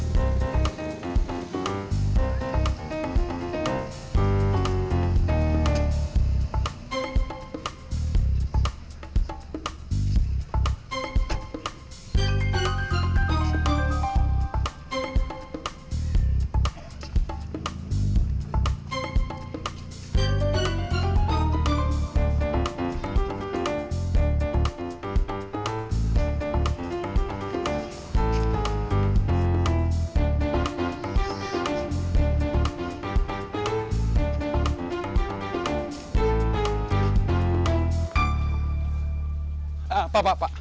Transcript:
pak pak pak